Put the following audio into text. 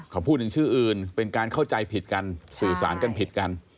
เขาพูดถึงชื่ออื่นเป็นการเข้าใจผิดกันสื่อสารกันผิดกัน